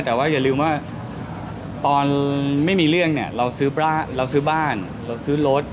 แต่ว่าอย่าลืมว่าตอนไม่มีเรื่องเนี่ยเราซื้อบ้านเราซื้อรถ